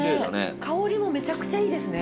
香りもめちゃくちゃいいですね。